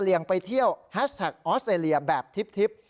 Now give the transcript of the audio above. ไปเที่ยวแฮชแท็กออสเตรเลียแบบทิพย์